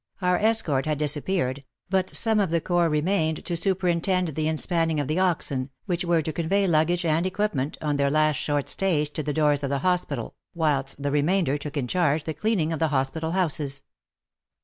Our escort had disappeared, but some of the Corps remained to superintend the inspanning of the oxen, which were to convey luggage and equipment on their last short stage to the doors of the hospital, whilst the remainder took in charge the cleaning of the hospital houses.